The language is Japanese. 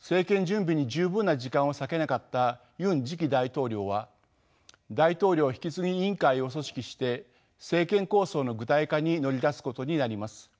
政権準備に十分な時間を割けなかったユン次期大統領は大統領引き継ぎ委員会を組織して政権構想の具体化に乗り出すことになります。